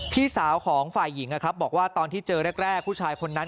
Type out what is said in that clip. พี่สาวของฝ่ายหญิงบอกว่าตอนที่เจอแรกผู้ชายคนนั้น